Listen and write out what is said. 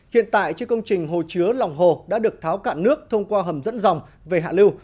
hiện tại chứ công trình hồ chứa lòng hồ đã được tháo cạn nước thông qua hầm dẫn dòng về hạ lưu